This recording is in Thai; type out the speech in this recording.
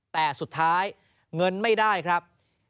แต่สุดท้ายเงินไม่ได้ครับ